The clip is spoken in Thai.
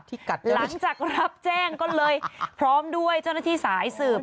หลังจากรับแจ้งก็เลยพร้อมด้วยเจ้าหน้าที่สายสืบ